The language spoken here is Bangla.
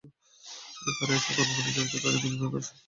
কারা এসব কর্মকাণ্ডে জড়িত, তাদের খুঁজে বের করে শাস্তির ব্যবস্থা করা হবে।